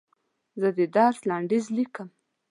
زه د درس لنډیز لیکم.